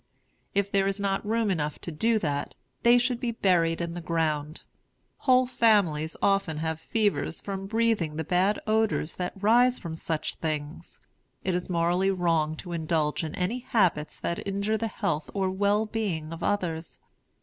If there is not room enough to do that, they should be buried in the ground. Whole families often have fevers from breathing the bad odors that rise from such things. It is morally wrong to indulge in any habits that injure the health or well being of others.